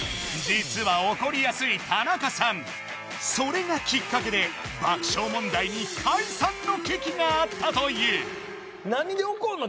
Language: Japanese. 実は怒りやすい田中さんそれがきっかけで爆笑問題に解散の危機があったという何で怒るの？